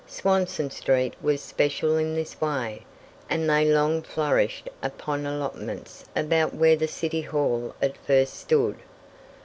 Swanston street was special in this way, and they long flourished upon allotments about where the city hall at first stood.